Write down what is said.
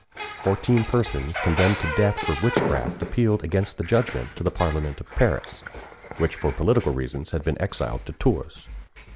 Fourteen persons condemned to death for witchcraft appealed against the judgment to the parliament of Paris, which for political reasons had been exiled to Tours.